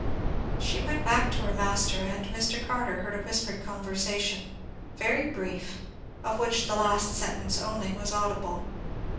She went back to her master, and Mr. Carter heard a whispered conversation, very brief, of which the last sentence only was audible.